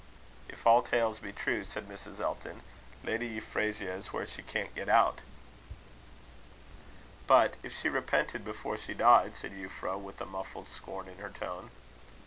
"If all tales be true," said Mrs. Elton, "Lady Euphrasia is where she can't get out." "But if she repented before she died?" said Euphra, with a muffled scorn in her tone.